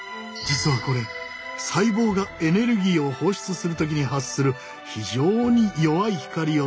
実はこれ細胞がエネルギーを放出する時に発する非常に弱い光をとらえているのだ。